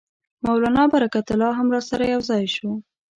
مولنا برکت الله هم راسره یو ځای شو.